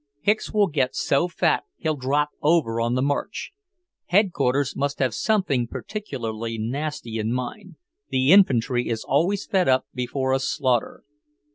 Hicks will get so fat he'll drop over on the march. Headquarters must have something particularly nasty in mind; the infantry is always fed up before a slaughter.